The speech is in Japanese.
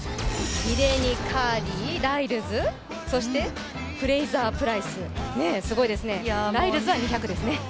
リレーにカーリー、ライルズ、そしてフレイザープライス、すごいですね、ライルズは２００ですね。